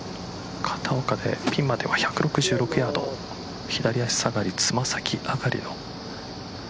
ピンまでは１６６ヤード左足下がり、爪先上がりの。